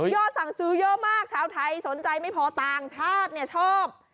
สั่งซื้อเยอะมากชาวไทยสนใจไม่พอต่างชาติเนี่ยชอบ